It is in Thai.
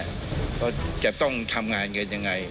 คือจะต้องทำงานกันอย่างไร